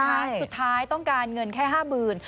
สุดท้ายต้องการเงินแค่๕๐๐๐๐บาท